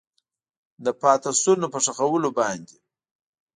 د پاتې شونو په ښخولو باندې